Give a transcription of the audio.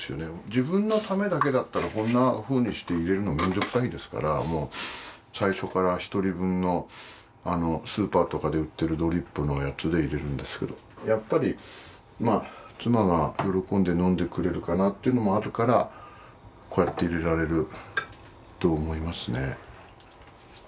自分のためだけだったらこんなふうにして入れるの面倒くさいですからもう最初から１人分のスーパーとかで売っているドリップのやつで入れるんですけどやっぱりまあ妻が喜んで飲んでくれるかなっていうのもあるからこうやって入れられると思いますね。